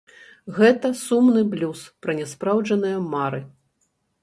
Гэта сумны блюз пра няспраўджаныя мары.